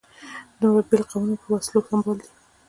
دومره بېل قومونه په وسلو سمبال دي.